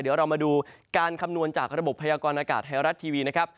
เดี๋ยวเรามาดูการคำนวณจากระบบพยากรณากาศไทยรัฐทีวีนะครับ